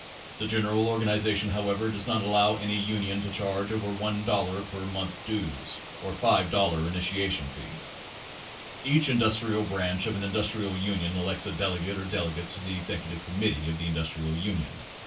The general organization, however, does not allow any union to charge over 50 cents per month dues or $2.00 initiation fee. Each Industrial Branch of an Industrial Union elects a delegate or delegates to the Executive Committee of the Industrial Union.